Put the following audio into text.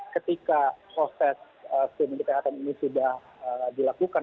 ketika proses screening kesehatan ini sudah dilakukan